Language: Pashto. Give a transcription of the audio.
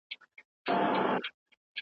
اوږده ناسته مه کوئ.